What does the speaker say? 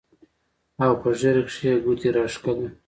او پۀ ږيره کښې يې ګوتې راښکلې